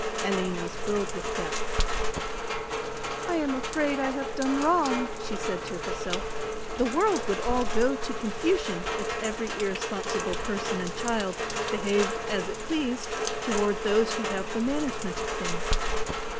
Aline was filled with doubt. "I am afraid I have done wrong," she said to herself; "the world would all go to confusion if every irresponsible person and child behaved as it pleased toward those who have the management of things.